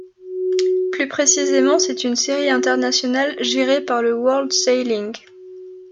Plus précisément c'est une série internationale gérée par le World Sailing.